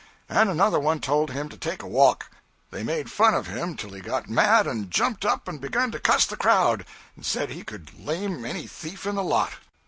And another one told him to take a walk. They made fun of him till he got mad and jumped up and begun to cuss the crowd, and said he could lame any thief in the lot.